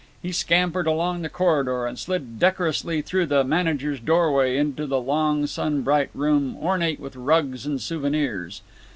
He scampered along the corridor and slid decorously through the manager's doorway into the long sun bright room, ornate with rugs and souvenirs.